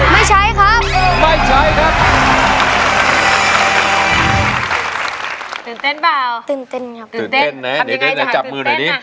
ไม่ใช่